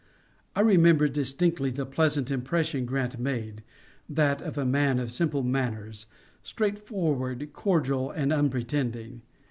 I remember distinctly the pleasant impression Grant made that of a man of simple manners, straightforward, cordial, and unpretending.